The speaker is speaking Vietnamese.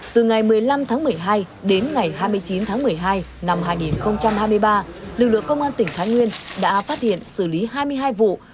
từ ngày một mươi năm tháng một mươi hai đến ngày hai mươi chín tháng một mươi hai năm hai nghìn hai mươi ba lực lượng công an tỉnh thái nguyên đã phát hiện xử lý hai mươi hai vụ